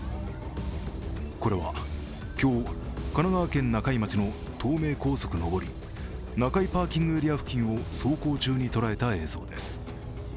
これは今日、神奈川県中井町の東名高速上り中井パーキングエリア付近を走行中に捉えた映像です。